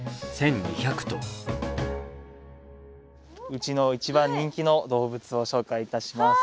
うちの一番人気の動物を紹介いたします。